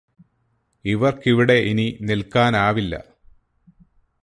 ഇവര്ക്കിവിടെ ഇനി നില്ക്കാനാവില്ല